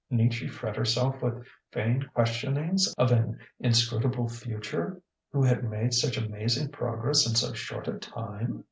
Need she fret herself with vain questionings of an inscrutable future, who had made such amazing progress in so short a time?